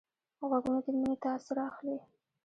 غوږونه د مینې تاثر اخلي